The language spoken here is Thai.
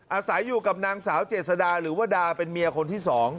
อาศัยอยู่กับนางสาวเจษดาหรือว่าดาเป็นเมียคนที่๒